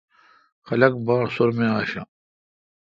خلق باڑ سور می اشہ۔